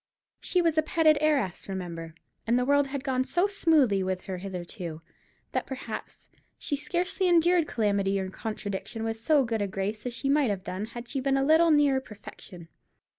She was a petted heiress, remember, and the world had gone so smoothly with her hitherto, that perhaps she scarcely endured calamity or contradiction with so good a grace as she might have done had she been a little nearer perfection.